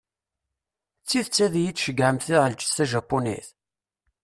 D tidet ad yi-d-tceyyɛem taɛelǧett tajapunit?